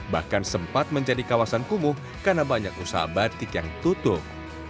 bahkan sempat menjadi kawasan kumuh karena banyak usaha batik yang tutup